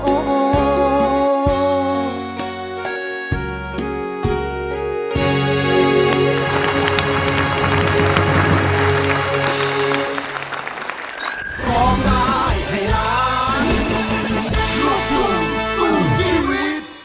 โอ้โอ้โอ้